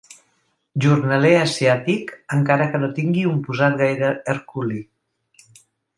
Jornaler asiàtic, encara que no tingui un posat gaire herculi.